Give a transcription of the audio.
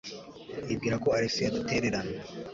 Yibwira ko Alex adutererana.